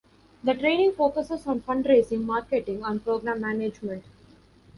The training focuses on fundraising, marketing, and program management.